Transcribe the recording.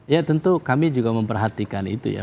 ya tentu kami juga memperhatikan itu ya